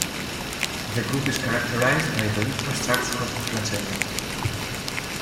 The group is characterized by the ultrastructure of the flagella.